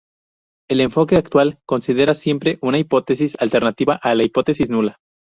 El enfoque actual considera siempre una hipótesis alternativa a la hipótesis nula.